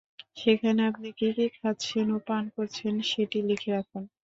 সেখানে আপনি কী কী খাচ্ছেন ও পান করছেন সেটি লিখে রাখুন।